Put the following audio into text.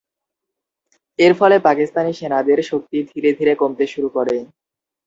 এর ফলে পাকিস্তানি সেনাদের শক্তি ধীরে ধীরে কমতে শুরু করে।